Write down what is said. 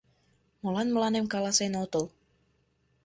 — Молан мыланем каласен отыл?